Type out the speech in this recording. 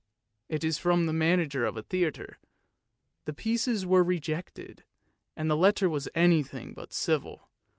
" It was from the manager of a theatre, the pieces were rejected, and the letter was anything but civil.